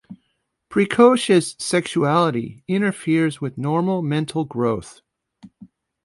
Precocious sexuality interferes with normal mental growth.